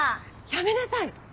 やめなさい！